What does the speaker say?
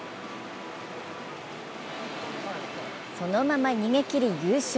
そのまま逃げきり優勝。